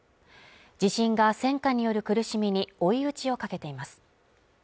地震が戦禍による苦しみに追い打ちをかけています。